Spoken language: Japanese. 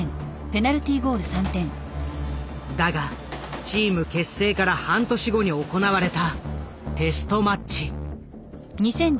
だがチーム結成から半年後に行われたテストマッチ。